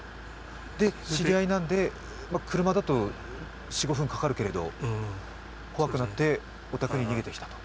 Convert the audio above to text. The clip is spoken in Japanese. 知り合いなので、車だと４５分かかるけれども、怖くなってお宅に逃げてきたと？